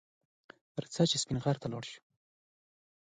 رځه چې سپین غر ته لاړ شو